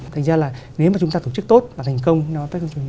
thành ra là nếu mà chúng ta tổ chức tốt và thành công năm apec hai nghìn một mươi bảy